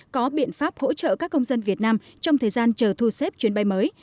có biện pháp hỗ trợ các công dân việt nam trong thời gian chờ thu xếp chuyến bay mới